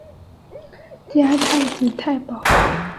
加太子太保。